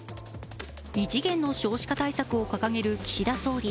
異次元の少子化対策を掲げる岸田総理。